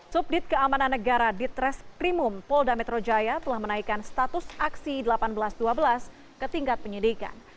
subdit keamanan negara ditres primum polda metrojaya telah menaikkan status aksi seribu delapan ratus dua belas ke tingkat penyidikan